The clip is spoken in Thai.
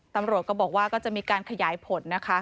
ตำรวจก็บอกว่าก็จะมีการขยายผลนะคะ